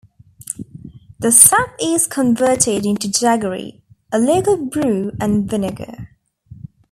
The sap is converted into jaggery, a local brew and vinegar.